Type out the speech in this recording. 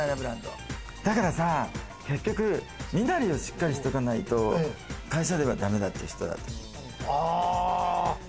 だからさ、結局身なりをしっかりしとかないとか、会社ではだめだっていう人だと思う。